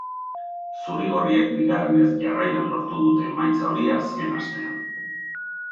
Zuri-gorriek bigarrenez jarraian lortu dute emaitza hori azken astean.